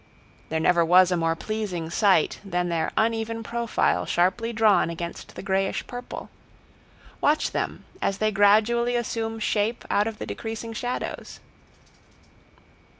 There never was a more pleasing sight than their uneven profile sharply drawn against the grayish purple. Watch them as they gradually assume shape out of the decreasing shadows.